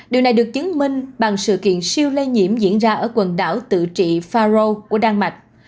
điều này được chứng minh bằng sự kiện siêu lây nhiễm diễn ra ở quần đảo tự trị pharo của đan mạch